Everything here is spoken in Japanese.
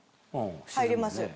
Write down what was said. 入ります。